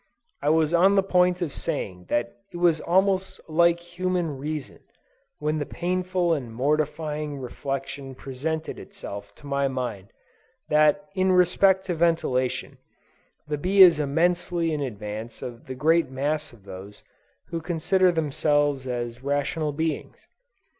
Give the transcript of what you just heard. I was on the point of saying that it was almost like human reason, when the painful and mortifying reflection presented itself to my mind that in respect to ventilation, the bee is immensely in advance of the great mass of those who consider themselves as rational beings.